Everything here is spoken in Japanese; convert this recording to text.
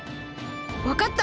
わかった！